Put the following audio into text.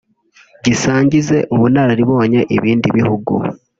gisangize ubunararibonye ibindi bihugu